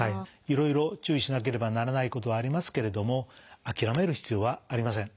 いろいろ注意しなければならないことはありますけれども諦める必要はありません。